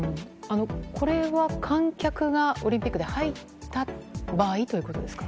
これは観客が、オリンピックで入った場合ということですか？